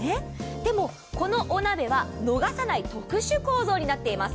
でもこのお鍋は逃さない特殊構造になっています。